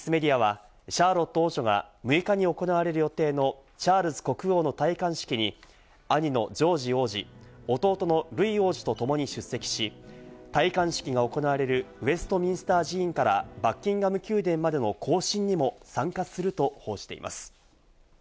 イギリスメディアはシャーロット王女が６日に行われる予定のチャールズ国王の戴冠式に兄のジョージ王子、弟のルイ王子とともに出席し、戴冠式が行われるウェストミンスター寺院からバッキンガム宮殿までの行進にも参加すると報じています。